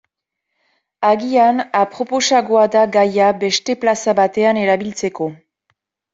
Agian aproposagoa da gaia beste plaza batean erabiltzeko.